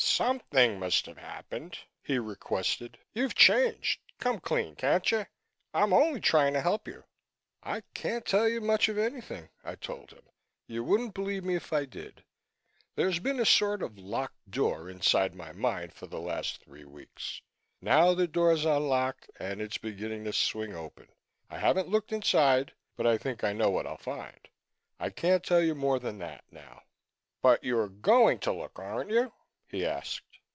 "Something must have happened," he requested. "You've changed. Come clean, can't you? I'm only trying to help you." "I can't tell you much of anything," I told him. "You wouldn't believe me if I did. There's been a sort of locked door inside my mind for the last three weeks. Now the door's unlocked and is beginning to swing open. I haven't looked inside, but I think I know what I'll find. I can't tell you more than that now." "But you're going to look, aren't you?" he asked.